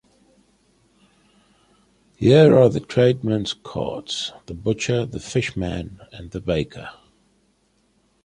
Here are the tradesmen's carts — the butcher, the fish-man and the baker.